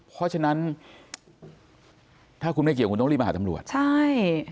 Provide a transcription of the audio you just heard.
เพราะฉะนั้นถ้าคุณไม่เกี่ยวคุณต้องรีบมาหาตำรวจใช่